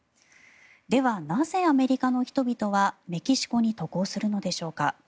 では、なぜアメリカの人々はメキシコに渡航するのでしょうか。